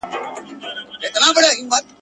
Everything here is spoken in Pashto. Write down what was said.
ښکلی زلمی در څخه تللی وم بوډا راځمه ..